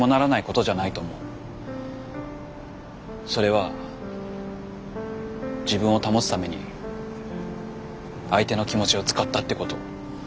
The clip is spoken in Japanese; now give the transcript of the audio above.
それは自分を保つために相手の気持ちを使ったってこと。